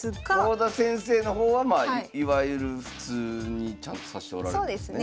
郷田先生の方はまあいわゆる普通にちゃんと指しておられるんですね？